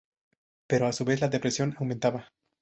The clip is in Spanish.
Pero a su vez la depresión aumentaba.